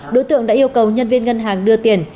đối tượng đã yêu cầu nhân viên ngân hàng đưa tiền